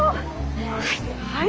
はい。